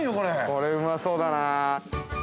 ◆これ、うまそうだなあ。